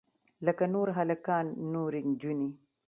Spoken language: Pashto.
لکه نور هلکان نورې نجونې.